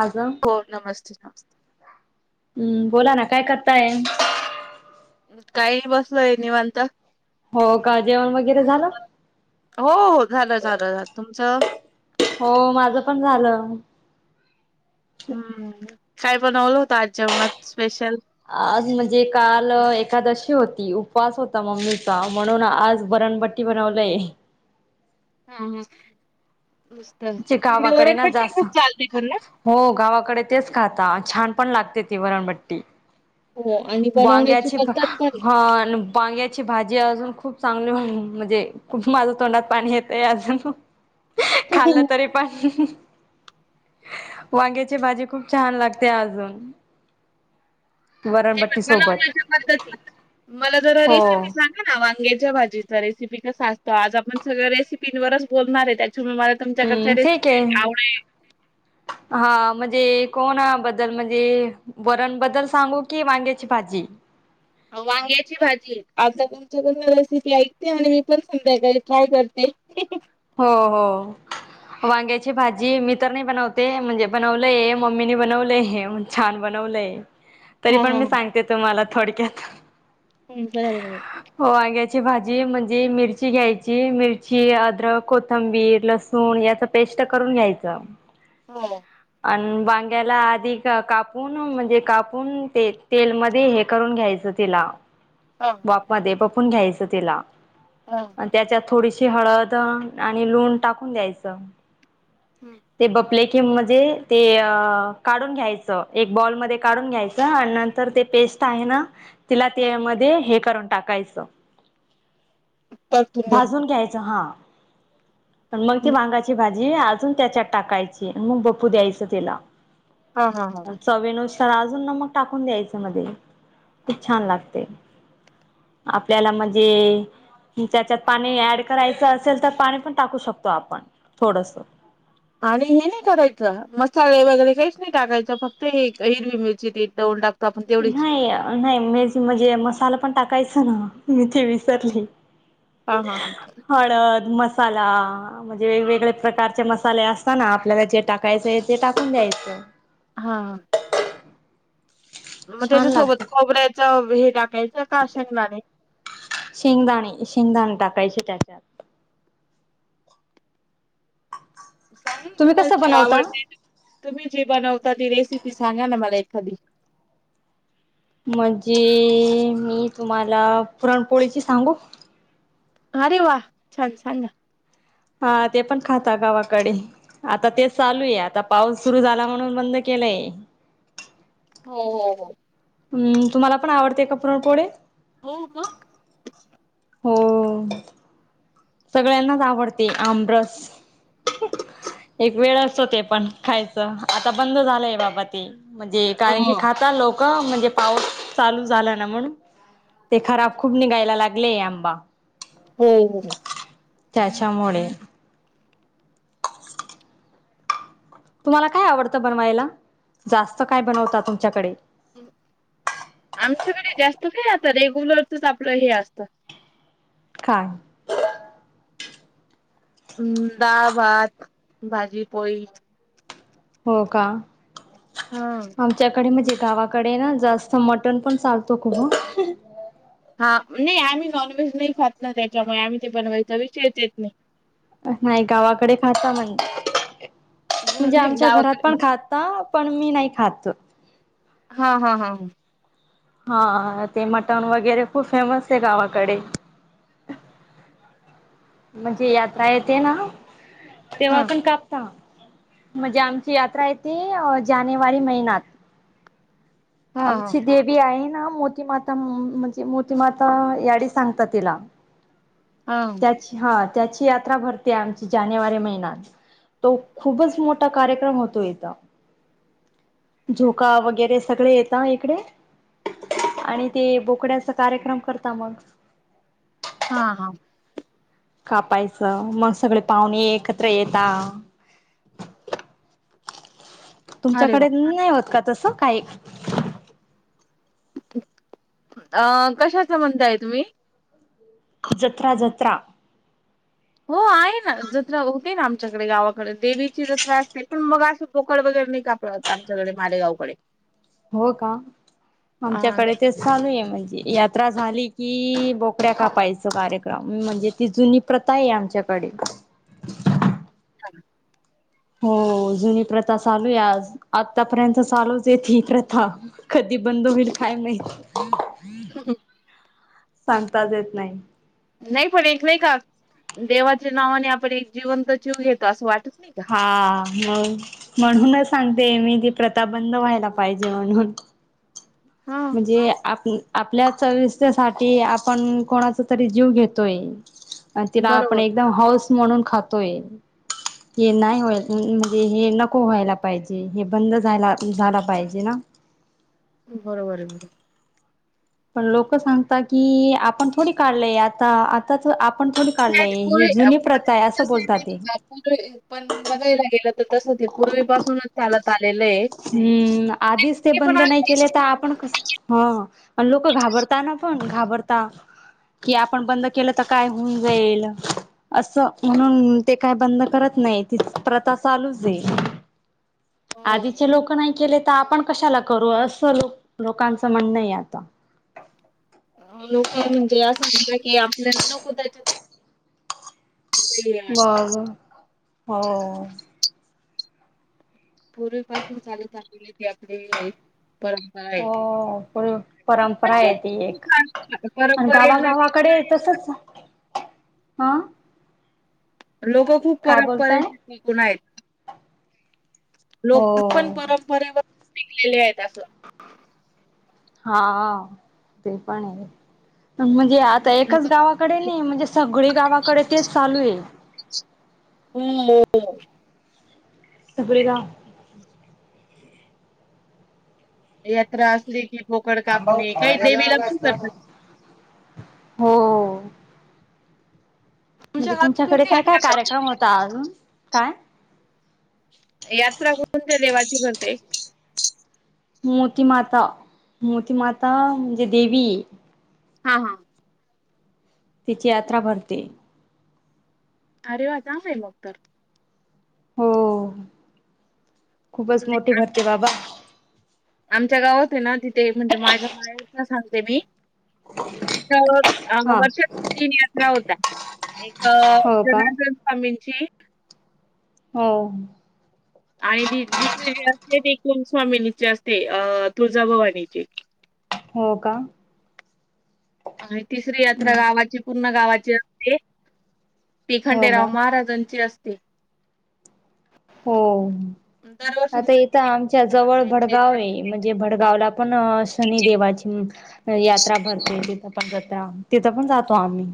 माझं हो, नमस्ते नमस्ते. हम्म, बोला ना काय करताय? काही नाही बसलोय निवांत. हो का, जेवण वगैरे झालं? हो हो, झालं झालं झालं तुमचं? हो, माझं पण झालं. हम्म, काय बणवलं होत आज जेवणात स्पेशल? आज म्हणजे काल एकादशी होती, उपवास होता, मम्मीचा म्हणून आज ब रणबट्टी बनवलंय. हा हा. मस्त तिकडे गावाकडे ना वरणपट्टी जास् खूप चालते पण ना हो गावाकडे तेच खातसा छान पण लागते ती वरणबट्टी. हो आणि बनवण्याची वांग्याची पद्धत पण ह वांग्याची भाजी अजून खूप चांगले म्हणजे खूप माझं तोंडात पाणी येतय अजून. खाल्लं तरी पण, वांग्याची भाजी खूप छान लागते अजून, नाही वरणबट पण बनवण्याच्या पद्धती, मला जरा हो रेसिपी हम्म सांगा ना? वांग्याच्या भाजी चा रेसिपी कसा असतो, आज आपण सगळ रेसिपीनवरच बोलणार आहे त्या हम्म, ठीक आहे. हा म्हणजे कोणा बद्दल म्हणजे, वरण बद्दल सांगू की वांग्याची भाजी? वांग्याची भाजी, आता तुमच्याकडून रेसिपी ऐकते आणि मी पण संध्याकाळी ट्राय करते. [inaudible] हो हो. वांग्याची भाजी मी तर नाही बनवते, म्हणजे बनवलंय मम्मीने बनवलंय छान बनव तरी हा पण मी हा सांगते तुम्हाला थोडक्यात. हम्, बर बर. हो वांग्याची भाजी म्हणजे मिरची घ्यायची मिरची अद्रक कोथंबीर, लसूण याचं पेस्ट करून घ्यायचं. हो. आणि वांग्याला आधी कापून, म्हणजे कापून ते तेलमध्ये हे करून घ्यायचं. तेला हा बप मध्ये बपून घ्यायचं तेला, हा त्याच्यात थोडीशी हळद आणि लूून टाकून द्यायचं. ते बप आपले कि म्हणजे ते काढून घ्यायचं एक बॉलमध्ये काढून घ्यायचं आणि नंतर ते पेस्ट आहे ना तिला त्यामध्ये हे करून टाकायचं भाजून घ्यायचं हा मग ती वांग्याची भाजी अजून त्याच्यात टाकायची मग बफू द्यायचं तिला हा हा हा अण चवीनुसार तर अजून नमक टाकून द्यायचं मध्ये खूप छान लागते आपल्याला म्हणजे त्याच्यात पाणी ऍड करायचं असेल तर पाणी पण टाकू शकतो आपण थोडस आणि हे नाही करायचं मसाले वगैरे काहीच नाही टाकायच फक्त हे हिरवी मिरची ती तेवढी टाक नाही अ.. नाही मीच म्हणजे मसाला पण टाक कायच ना मी ते विसरली हा हा हळद मसा साला म्हणजे वेगवेगळे प्रकारचे मसाले असतना आपल्याला जे टाकायचंय ते टाकून द्यायचं हा मग छान त्याच्यासोबत लागत खोबऱ्याच हे टाकायचं का शेंगदाणे शेंगदाणे शेंगदाणे टाकायची त्याच्यात सांगील तुम्ही तुम्हाला कसं जे बनवता आवडते ते तुम्ही जी बनवता ती रेसिपी सांगा ना मला एखादी म्हणजे मी तुम्हाला पुरणपोळीची सांगू अरे वा छान सांगा हा ते पण खातात गावाकडे आता तेच चालू आहे आता पाऊस सुरु झाला म्हणून बंद के ले हो हो हो हम् तुम्हाला पण आवडते का पुरणपोळी हो मग हो सगळ्यांनाच आवडते आमरस एक वेळ असतो ते पण खायचं आता बंद झालंय बाबा ते म्हणजे कारण की खातात लोक का म्हणजे पाऊस चालू झाला ना म्हणून ते खराब खूप निघायला लागलेय आंबा हो हो हो त्याच्यामुळे हो ना तुम्हाला काय आवडत बनवायला जास्त काय बनवता तुमच्याकडे आमच्याकडे जास्त काय आता रेग्यूलरचच आपलं हे असतं काय हम् डाळ भात भाजी पोळी हो का हा आमच्याकडे म्हणजे गावाकडे ना जास्त मटण पण चालतो खूप ह हा नाही आम्ही नॉनव्हेज नाही खात ना त्याच्यामुळे आम्ही ते बनवायच विषयच येत नाही नाही गावाकडे खातात म्हण हा म्हणजे नाही आमच्या घरात गावाकडे पण खातात पण मी नाही खात हा हा हा हा हा ते मटण वगैरे खूप फेमस आहे गावाकडे म्हणजे यात्रा येते ना तेव्हा हा पण कापता म्हणजे आमची यात्रा येते जानेवारी महिन्यात हा आमची देवी आहे ना मोती माता म.. म्हणजे मोतीमाता याडी सांगतात तिला हा त्याची हा त्याची यात्रा भरते आमची जानेवारी महिन्यात तो खूपच मोठा कार्यक्रम होतो इथ झोका वगैरे सगळे येत इकडे आणि ते बोकड्याचा कार्यक्रम करता मग हा हा कापायचं मग सगळे पाहुणे एकत्र येेतात अरे वा तुमच्याकडे नाही होत का तस काय अ कशाच म्हणताय तुम्ही जत्रा जत्रा हो आहे ना जत्रा होते ना आमच्याकडे गावाकडे देवीची जत्रा असते पण मग असं बोकड वगैरे आमच्या कडे मालेगाव हो का हा आमच्याकडे नाही तेच चालू आहे म्हणजे यात्रा झाली की बोकड्या कापायच कार्यक्रम म्हणजे ती जुनी प्रथा आहे आमच्याकडे ह हो जुनी प्रथा चालूय आज आतापर्यंत चालूच आहे ही प्रथा कधी बंद होईल काय नाही ह सांगताच येत नाही नाही पण एक नाही का देवाच्या नावाने आपण एक जिवंत जिव घेतो असं वाटत नाही का? हा मग म्हणूनच सांगते मी ती प्रथा बंद व्हायला पाहिजे म्हणून हा म्हणजे आपल्या आपल्या चविसाठी आपण कोणाचा तरी जीव घेतोय आणि तिला आपण बरोबर एकदम हौऊस म्हणून खातोय हे नाही व्हायला म्हणजे हे नको व्हायला पाहिजे हे बंद झाला झाला पाहिजे ना बरोबर आहे बरोबर पण लोक सांगता की आपण थोडी काढलय आता आता नाही पुर्वी बोलतात ते पण बघायला गेलं तस ते पूर्वीपासूनच त्याला हम्म आधीच ते पण बंद नाही आहे. केले तर आपण कस ह लोक घाबरताना पण घाबरता कि आपण बंद केलं तर काय होऊन जाईल असं म्हणून ते काय बंद करत नाही ती प्रथा चालूच आहे आधीच हो. लोक नाही केले तर आपण कशाला करू असं लोक लोकांचं म्हणणं आता लोक म्हणजे या सांगलं की आपल्याला नको त्याच्या बर हो पूर्वी पाासून चालूत आलेली ती आपली परंपरा आहे हो पूर्व परंपरा म्हणजे आहे ती एक आणि परंपरा [inaudible] गावागावाकडे तसच हा लोक खूप काय परंपरेला बोलताय टिकून आहेत लोक हो पण परंपरेवर शिकलेले आहेत असं हा ते पण आहे म्हणजे आता एकच गावाकडे नाही म्हणजे सगळी गावाकडे तेच चालू आहे हम् हुपरी गाव यात्रा असली की बोकड आंबाऊ कापणे काही खायला देवीला जायला पण असता का? करतात हो म्हणजे तुमच्या गावात तुमच्याकडे कोणती काय काय यात्रा कार्यक्रम होता अजून काय यात्रा कोणत्या देवाची करते मोतीमाता मोतीमाता म्हणजे देवी हा हा तिची यात्रा भरते अरे वा चांग आहे मग तर हो खूपच मोठे भरते बाबा आमच्या गावात आहे ना तिथे म्हणजे माझ्या माया सांगते मी तिथ अ हा वर्षातील तीन यात्रा होत एक हो का जनार्दन स्वामींची हो आणि दुसरी जे असते ते कुल स्वामिनी असते अ तुळजाभवानीची हो का आणि तिसरी यात्रा गावाची पूर्ण गावाची असते ती हो का खंडेराव महाराजांची असते हो दरवर्षी आता इथ आमच्या जवळ भडगाव आहे म्हणजे भडगावला पण शनी देेवाची यात्रा भरते तिथ तिथं पण जातो आम्ही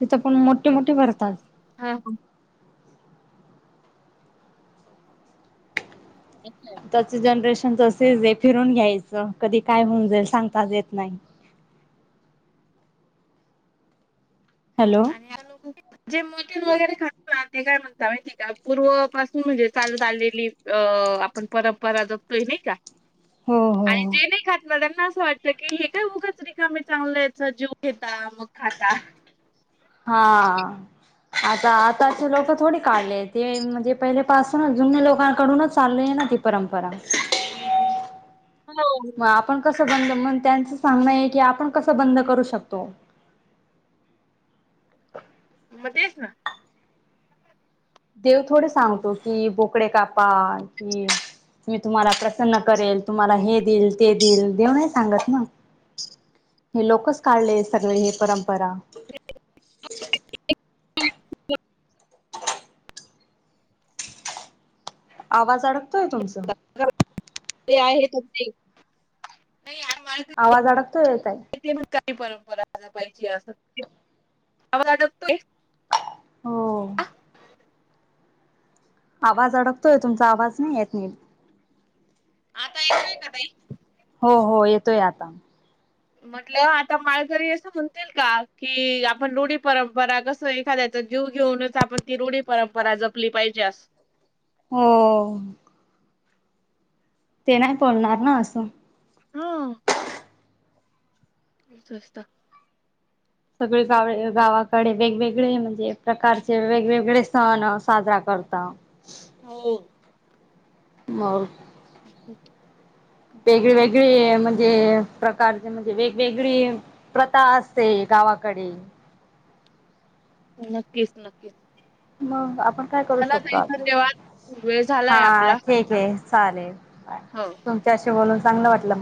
तिथं पण मोठे मोठे भरतात हम्म हम्म अच्छा. आताच जनरेशन ेे फिरून घ्यायचं कधी काय होऊन जाईल सांगताच येत नाही रिकाम हॅलो आणि जे मटन वगैरे खात ना ते काय म्हणत माहिती आहे का पूर्वपासून म्हणजे चालू आलेली अ आपण परंपरा जगतोय नाही का हो हो आणि जे नाही खात म त्यां असं वाटत की हे काय उगच रिकामे चांगलं याच जीव घेता मग खाता हा आता आताचे लोक थोडी काढले ते म्हणजे पहिले पाासूनच जुनने लोकांकडूनच चाललेय ती परंपरा हो मग आपण कसं बंद म त्यांच सांगणं आहे की आपण कसं बंद करू शकतो मग तेच ना देव थोडे सांगतो कि बोकडे कापा कि मी तुम्हाला प्रसन्न करेल तुम्हाला हे देईल ते देईल देव नाही सांगत ना हे लोकच काढले सगळे हे परंपरा ह आवाज अडकतोय तुमचं ठी आवाज अडकतोय येतय काही परंपरा पाहि अस आवाज आटकतोय हो ह आवाज अडकतोय तुमचा आवाज नाही आहेत आता येतोय का ताई तोय आता म्हंटलं आता माळघरी असं म्हणतील का कि आपण रोढी परंपरा कस एखाद्या जीव घेऊनच आपण ती रूढी परंपरा जपली पाहिजे अस हो ते नाही बोलणार ना असं हम्म रिकाम सगळे गाव गावाकडे वेगवेगळे म्हणजे प्रकारचे वेगवेगळे सण साजरा करत करता हो मर ह वेगळी वेगळी म्हणजे प्रकारचे म्हणजे वेगवेगळी प्रथा असते गावाात कडे नक्कीच नक्कीच. मग आपण काय करू चला शकतो ताई आता. धन्यवाद वेळ झालाय हा आपला [unintelligible] चालेल, हो तुमच्याशी बोलून चांगलं वाटलं मला.